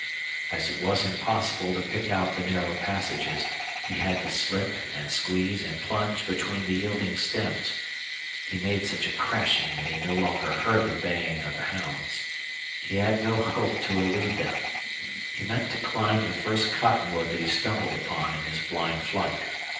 As it was impossible to pick out the narrow passages, he had to slip and squeeze and plunge between the yielding stems. He made such a crashing that he no longer heard the baying of the hounds. He had no hope to elude them. He meant to climb the first cottonwood that he stumbled upon in his blind flight.